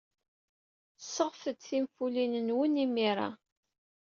Sɣet-d tinfulin-nwen imir-a.